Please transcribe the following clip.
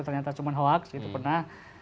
ternyata cuma hoax itu pernah